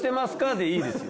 でいいですよ